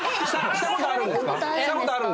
した事あるんですか？